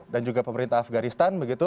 dan juga pemerintah afghanistan